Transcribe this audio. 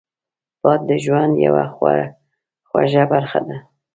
باد د ژوند یوه خوږه برخه ده